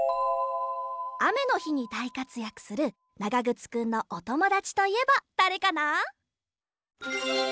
あめのひにだいかつやくするながぐつくんのおともだちといえばだれかな？